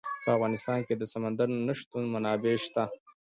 په افغانستان کې د سمندر نه شتون منابع شته.